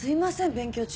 勉強中に。